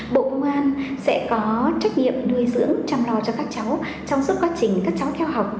bộ công an sẽ có trách nhiệm nuôi dưỡng chăm lo cho các cháu trong suốt quá trình các cháu theo học